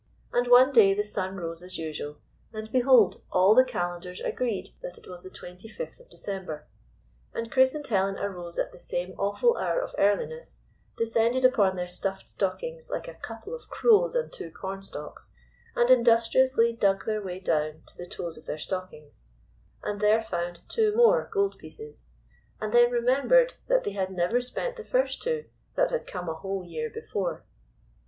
And one day the sun rose as usual, and, behold, all the calendars agreed that it was the 2oth of December; and Chris and Helen arose at the same awful hour of earliness, de scended upon their stuffed stockings like a couple of crows on two cornstalks, and indus GYPSY, THE TALKING DOG triously dug their way down to the toes of the stockings, and there found two more gold pieces, and then remembered that they had never spent the first two that had come a whole year before.